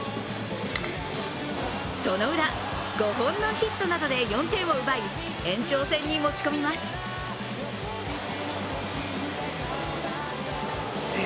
そのウラ、５本のヒットなどで４点を奪い延長戦に持ち込みます。